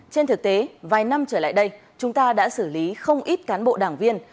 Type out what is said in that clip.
trên thực tế vài năm trở lại đây chúng ta đã xử lý không ít cán bộ đảng viên